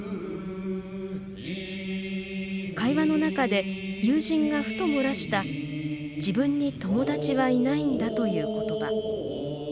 会話の中で友人が、ふと漏らした「自分に友達はいないんだ」という言葉。